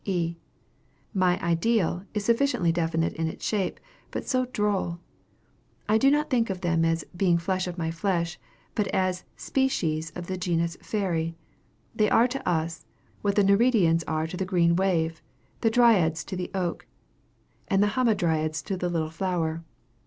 E. My ideal is sufficiently definite in its shape, but so droll! I do not think of them as "being flesh of my flesh," but as a species of the genus fairy. They are to us, what the Nereides are to the green wave, the Dryades to the oak, and the Hamadryades to the little flower.